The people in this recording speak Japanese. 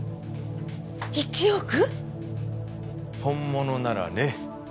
本物ならね。